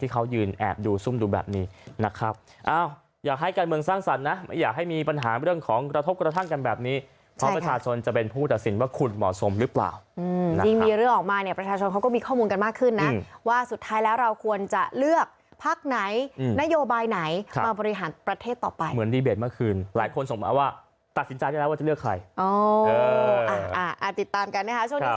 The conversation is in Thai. กันมากขึ้นนะอืมว่าสุดท้ายแล้วเราควรจะเลือกภาคไหนอืมนโยบายไหนใช่มาบริหารประเทศต่อไปเหมือนมากขึ้นหลายคนส่งมาว่าตัดสินใจได้แล้วว่าจะเลือกใครอ๋ออ่าอ่าติดตามกันนะฮะช่วงนี้